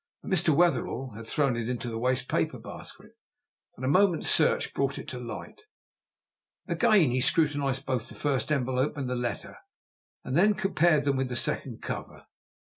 Mr. Wetherell had thrown it into the waste paper basket, but a moment's search brought it to light. Again he scrutinized both the first envelope and the letter, and then compared them with the second cover.